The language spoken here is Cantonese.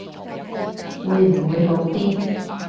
會唔會好癲